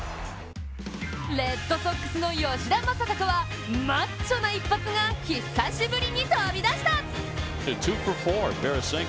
レッドソックスの吉田正尚はマッチョな一発が久しぶりに飛び出した！